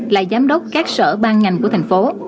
là giám đốc các sở ban ngành của thành phố